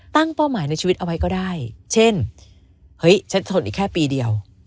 เป้าหมายในชีวิตเอาไว้ก็ได้เช่นเฮ้ยฉันทนอีกแค่ปีเดียว